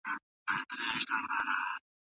په پوهنتونونو کي د بهرنیو استادانو شتون ډېر نه و.